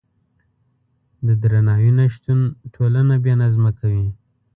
د درناوي نشتون ټولنه بې نظمه کوي.